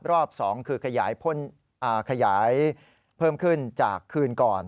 รอบ๒คือขยายเพิ่มขึ้นจากคืนก่อน